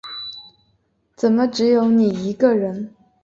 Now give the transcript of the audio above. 怎么只有你一个人